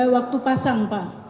waktu pasang pak